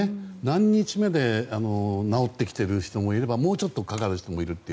何日目で治ってきている人もいればもうちょっとかかる人もいる。